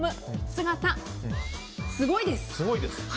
姿すごいです。